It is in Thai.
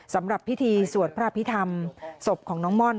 สำหรับพิธีสวดพระอภิษฐรรมศพของน้องม่อน